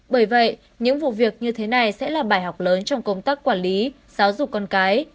bởi vậy những vụ việc như thế này sẽ là bài học lớn trong công tác quản lý giáo dục con cái